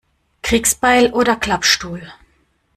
Kriegsbeil oder Klappstuhl?